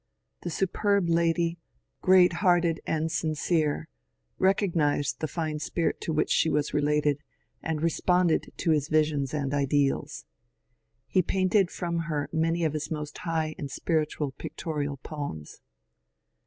The superb lady, great hearted and sincere, recognized the fine spirit to which she was related, and responded to his visions and ideals. He painted from her many of his most high and spiritual pictorial poems.